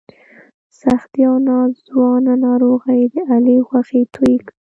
سختې او ناځوانه ناروغۍ د علي غوښې تویې کړلې.